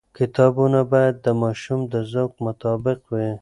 کتابونه باید د ماشوم د ذوق مطابق وي.